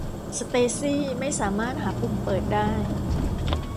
สเตซี่ย์ไม่สามารถหาปุ่มเปิดได้